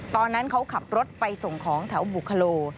ตอนนั้นเขาขับรถไปส่งของแถวบุคโล